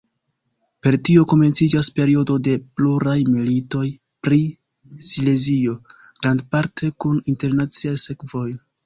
Per tio komenciĝas periodo de pluraj militoj pri Silezio, grandparte kun internaciaj sekvoj.